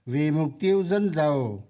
vì mục tiêu dân giàu